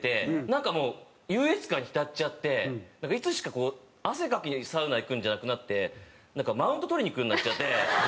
なんかもう優越感に浸っちゃっていつしかこう汗かきにサウナ行くんじゃなくなってなんかマウント取りに行くようになっちゃって。